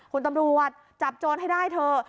คุณตำรวจจับโจรให้ได้เถอะ